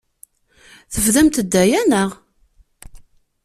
Tebdamt-d aya, naɣ?